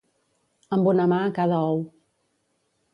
Amb una mà a cada ou.